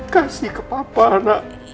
kasih ke papa anak